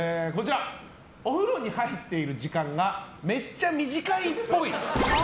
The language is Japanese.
お風呂に入っている時間がめっちゃ短いっぽい。